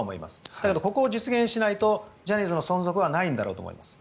だけど、ここを実現しないとジャニーズの存続はないんだろうと思います。